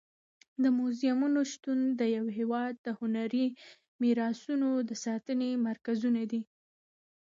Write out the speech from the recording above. د موزیمونو شتون د یو هېواد د هنري میراثونو د ساتنې مرکزونه دي.